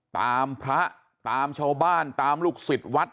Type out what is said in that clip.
ตามพระตามชาวบ้านตามลูกศิษย์วัด